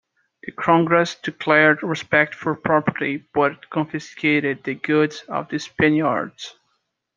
The Congress declared respect for property but confiscated the goods of the Spaniards.